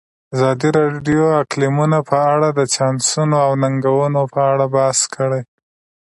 ازادي راډیو د اقلیتونه په اړه د چانسونو او ننګونو په اړه بحث کړی.